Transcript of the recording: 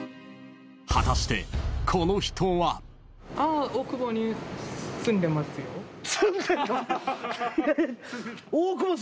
［果たしてこの人は］住んでんの！？